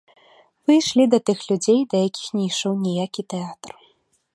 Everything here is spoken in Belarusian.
Вы ішлі да тых людзей, да якіх не ішоў ніякі тэатр.